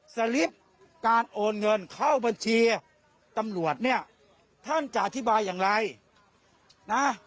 สลิปการโอนเงินเข้าบัญชีตำรวจเนี่ยท่านจะอธิบายอย่างไรนะ